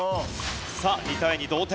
さあ２対２同点。